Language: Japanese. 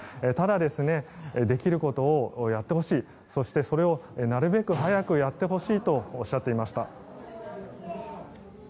ただ、できることをやってほしいそして、それをなるべく早くやってほしいとおっしゃっていました。